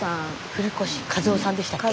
古越和雄さんでしたっけ？